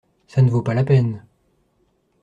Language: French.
Ça ne vaut pas la peine.